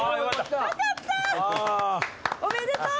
おめでとう！